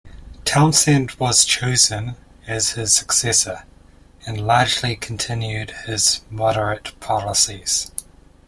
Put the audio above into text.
Townsend was chosen as his successor, and largely continued his moderate policies.